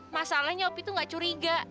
masalahnya opi itu gak curiga